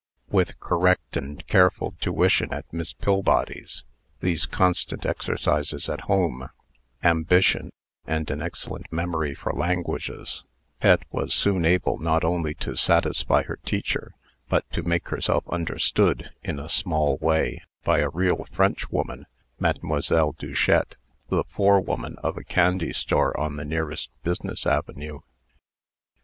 With correct and careful tuition at Miss Pillbody's, these constant exercises at home, ambition, and an excellent memory for languages, Pet was soon able not only to satisfy her teacher, but to make herself understood, in a small way, by a real French woman, Mdlle. Duchette, the forewoman of a candy store on the nearest business avenue.